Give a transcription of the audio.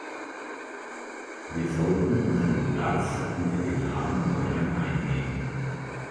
Wir sollten unseren Platz unter den Abenteurern einnehmen.